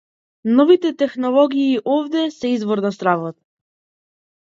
Новите технологии овде се извор на стравот.